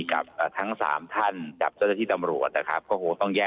กับทั้ง๓ท่านทรัพย์ที่ตำรวจ